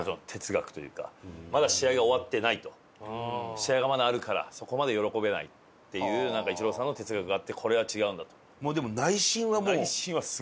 試合がまだあるからそこまで喜べないっていうイチローさんの哲学があってこれは違うんだと。